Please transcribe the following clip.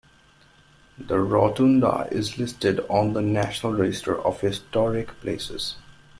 The rotunda is listed on the National Register of Historic Places.